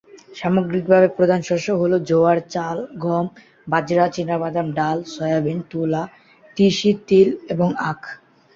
সামগ্রিকভাবে, প্রধান শস্য হল জোয়ার, চাল, গম, বাজরা, চিনাবাদাম, ডাল, সয়াবিন, তুলা, তিসি, তিল এবং আখ।